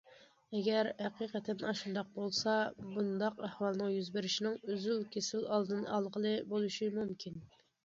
ئەگەر ھەقىقەتەن ئاشۇنداق بولسا، بۇنداق ئەھۋالنىڭ يۈز بېرىشىنىڭ ئۈزۈل- كېسىل ئالدىنى ئالغىلى بولۇشى مۇمكىن.